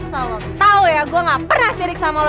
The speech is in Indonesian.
kalau tau ya gue gak pernah sirik sama lo